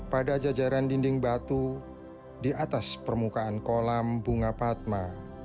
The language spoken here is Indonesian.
pada jajaran dinding batu di atas permukaan kolam bunga padma